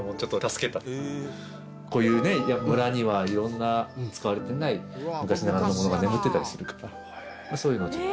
こういう村には色んな使われてない昔ながらのものが眠ってたりするからそういうのをちょっと。